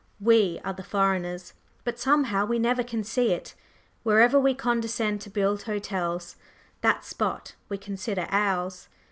We are the foreigners; but somehow we never can see it. Wherever we condescend to build hotels, that spot we consider ours.